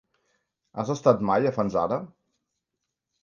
Has estat mai a Fanzara?